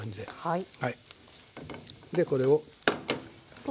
はい。